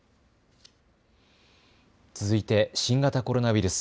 続いて新型コロナウイルス。